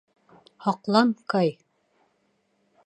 Һаҡлан, Кай!